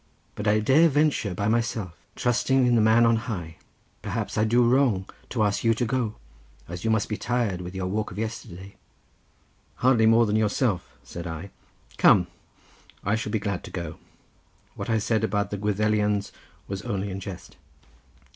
But I dare venture by myself, trusting in the Man on High, and perhaps I do wrong to ask you to go, as you must be tired with your walk of yesterday." "Hardly more than yourself," said I. "Come; I shall be glad to go. What I said about the Gwyddelians was only in jest."